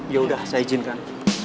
yaudah saya izinkan